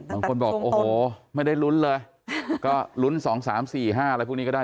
บางคนบอกโอ้โหไม่ได้ลุ้นเลยก็ลุ้น๒๓๔๕อะไรพวกนี้ก็ได้